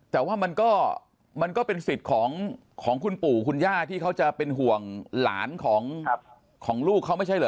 แต่ว่ามันก็เป็นสิทธิ์ของคุณปู่คุณย่าที่เขาจะเป็นห่วงหลานของลูกเขาไม่ใช่เหรอ